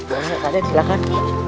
iya raden silahkan